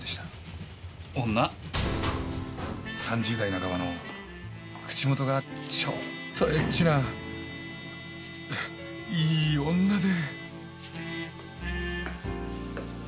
３０代半ばの口元がちょーっとエッチないい女で。